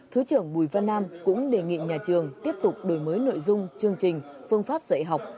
thứ trưởng bùi văn nam cũng đề nghị nhà trường tiếp tục đổi mới nội dung chương trình phương pháp dạy học